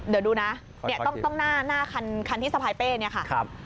เดี๋ยวดูนะต้องหน้าคันที่สะพายเป้เนี่ยค่ะ